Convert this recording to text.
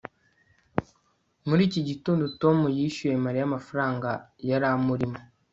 muri iki gitondo, tom yishyuye mariya amafaranga yari amurimo